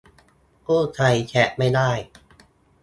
ผู้ใช้แชตไม่ได้